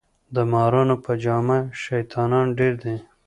د مارانو په جامه شیطانان ډیر دي